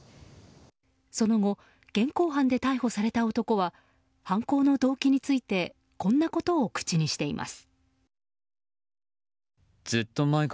その後現行犯で逮捕された男は犯行の動機についてこんなことを口にしています。